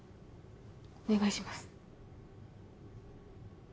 お願いします